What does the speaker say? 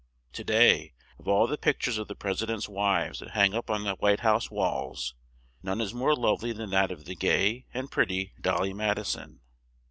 To day, of all the pic tures of the Pres i dents' wives that hang up on the White House walls, none is more love ly than that of the gay and pretty "Dol ly Mad i son."